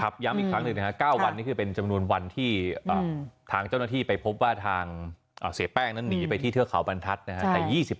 ย้ำอีกครั้งหนึ่งนะครับ๙วันนี้คือเป็นจำนวนวันที่ทางเจ้าหน้าที่ไปพบว่าทางเสียแป้งนั้นหนีไปที่เทือกเขาบรรทัศน์นะครับ